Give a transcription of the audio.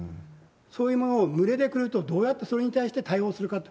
そういうものを群れで来ると、どうやってそれに対して対応するかと。